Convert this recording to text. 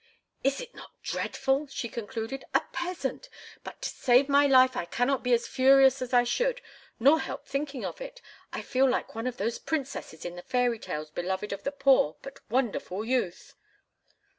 "Is it not dreadful?" she concluded. "A peasant! But to save my life I cannot be as furious as I should—nor help thinking of it. I feel like one of those princesses in the fairy tales beloved of the poor but wonderful youth."